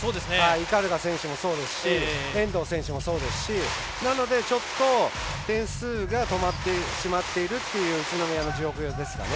鵤選手もそうですし遠藤選手もそうですしなので、ちょっと点数が止まってしまっているという宇都宮の状況ですかね。